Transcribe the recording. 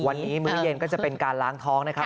วันนี้มื้อเย็นก็จะเป็นการล้างท้องนะครับ